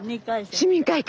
市民会館？